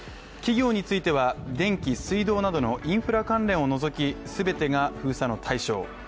企業については電気・水道などのインフラ関連を除き全てが封鎖の対象。